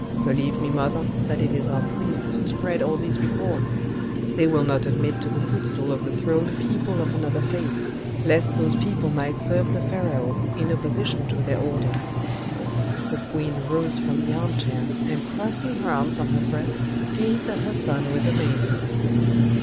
"Believe me, mother, that it is our priests who spread all these reports. They will not admit to the footstool of the throne people of another faith lest those people might serve the pharaoh in opposition to their order." The queen rose from the armchair, and crossing her arms on her breast, gazed at her son with amazement.